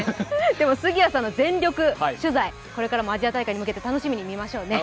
でも、杉谷さんの全力取材、これからもアジア大会に向けて楽しみに見ましょうね。